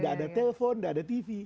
tidak ada telepon tidak ada tv